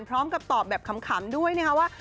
พร้อมกับตอบแบบขำด้วยนะคะว่า